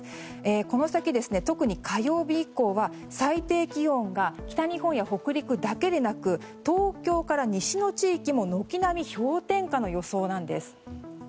この先、特に火曜日以降は最低気温が北日本や北陸だけでなく東京や西の地域も軒並み氷点下の予想なんです。